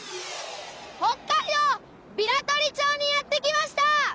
北海道平取町にやって来ました。